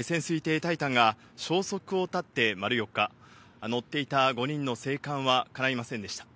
潜水艇タイタンが消息を絶って丸４日、乗っていた５人の生還はかないませんでした。